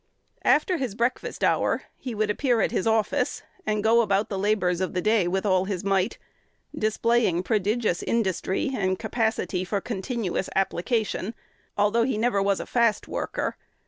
After his breakfast hour, he would appear at his office, and go about the labors of the day with all his might, displaying prodigious industry and capacity for continuous application, although he never was a fast worker.